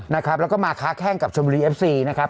นะครับแล้วก็มาค้าแข้งกับชมบุรีเอฟซีนะครับ